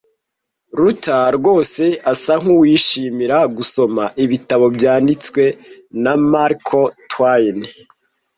Ruta rwose asa nkuwishimira gusoma ibitabo byanditswe na Mark Twain.